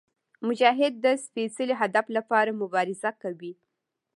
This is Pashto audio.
مجاهد د سپېڅلي هدف لپاره مبارزه کوي.